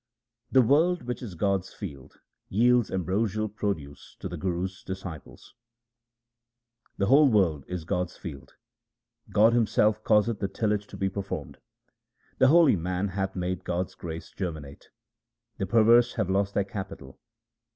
The world, which is God's field, yields ambrosial produce to the Guru's disciples :— The whole world is God's field ; God Himself causeth the tillage to be performed. The holy man hath made God's grace germinate ; the perverse have lost their capital.